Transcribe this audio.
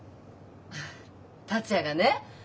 達也がね